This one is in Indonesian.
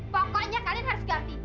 pokoknya kalian harus ganti